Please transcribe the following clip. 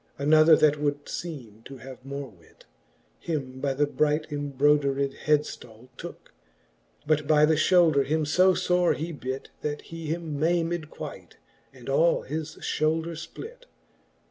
Another, that would feeme to have more wit. Him by the bright embrodered hedftall tooke j But by the fhoulder him io fore he bit. That he him maymed quite, and all his fhoulder fplit.